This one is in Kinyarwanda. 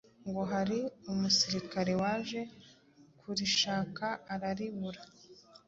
Ngo hari umusirikare waje kurishaka araribura